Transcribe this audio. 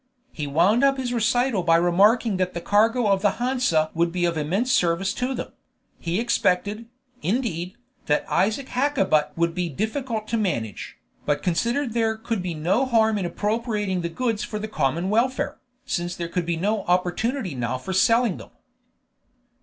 He wound up his recital by remarking that the cargo of the Hansa would be of immense service to them; he expected, indeed, that Isaac Hakkabut would be difficult to manage, but considered there could be no harm in appropriating the goods for the common welfare, since there could be no opportunity now for selling them.